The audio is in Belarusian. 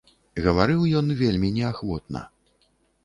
Гаварыў ён вельмі неахвотна.